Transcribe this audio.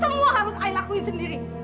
semua harus ay lakuin sendiri